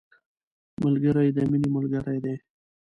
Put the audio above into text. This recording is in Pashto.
ملګری د مینې ملګری دی